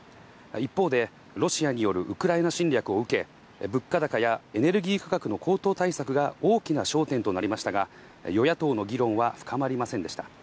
一方で、ロシアによるウクライナ侵略を受け、物価高やエネルギー価格の高騰対策が大きな焦点となりましたが、与野党の議論は深まりませんでした。